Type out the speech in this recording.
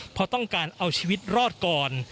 เพราะต้องการเอาชีวิตรอดก่อน